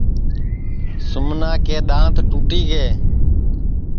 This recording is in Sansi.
سُمنا کے دؔانٚت ٹُوٹی گے